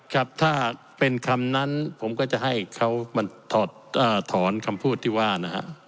ครับถ้าเป็นคำนั้นผมก็จะให้เขามาถอดถอนคำพูดที่ว่านะฮะ